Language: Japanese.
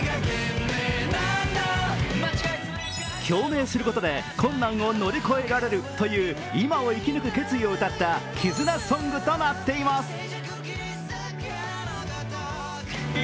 共鳴することで困難を乗り越えられるという、今を生き抜く決意を歌った絆ソングとなっています。